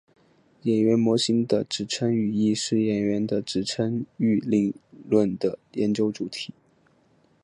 演员模型的指称语义是演员的指称域理论的研究主题。